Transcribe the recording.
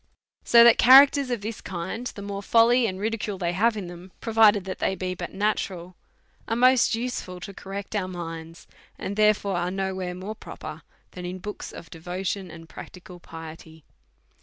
So that characters of this kind, the more folly an^l ridicule they have in them, provided that they be but natural, are most useful to correct our minds ; and, therefore^ are no where more proper than in books of 138 A SERIOUS CALL TO A devotion and practical piety.